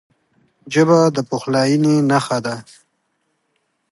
ژبه د پخلاینې نښه ده